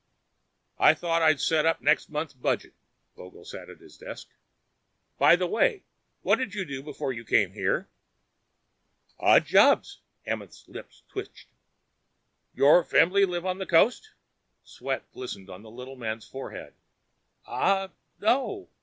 "Thought I'd set up next month's budget." Vogel sat at his desk. "By the way, what did you do before you came here?" "Odd jobs." Amenth's lips twitched. "Your family live on the coast?" Sweat glistened on the little man's forehead. "Ah no.